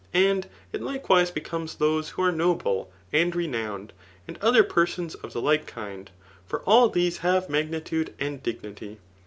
And it likawiae beoofties those who are noble and renowned, and oifaer persons of the like kind ; for all these have magnitude and dignity.